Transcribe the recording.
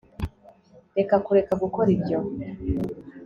reka kureka gukora ibyo